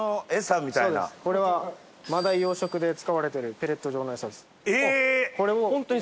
これは真鯛養殖で使われてるペレット状の餌です。え！